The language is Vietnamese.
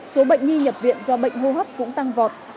số bệnh nhi nhập viện do bệnh hô hấp cũng tăng vọt